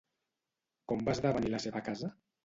Com va esdevenir la seva casa?